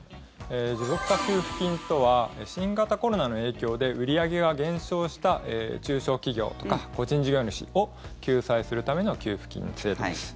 持続化給付金とは新型コロナの影響で売り上げが減少した中小企業とか個人事業主を救済するための給付金の制度です。